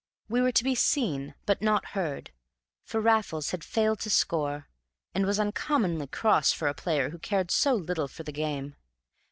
We were to be seen, but not heard, for Raffles had failed to score, and was uncommonly cross for a player who cared so little for the game.